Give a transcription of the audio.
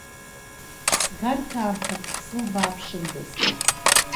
Ԥсгарҭаамҭак ҳзылбааԥшындаз!